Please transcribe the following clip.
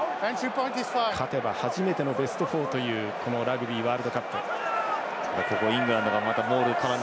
勝てば初めてのベスト４というラグビーワールドカップ。